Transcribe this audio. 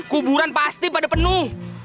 kuburan pasti pada penuh